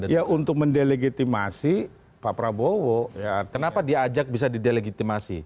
ya untuk mendelegitimasi pak prabowo kenapa diajak bisa didelegitimasi